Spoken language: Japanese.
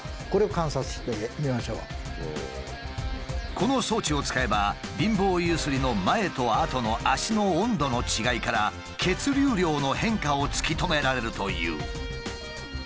この装置を使えば貧乏ゆすりの前とあとの脚の温度の違いから血流量の変化を突き止められるという。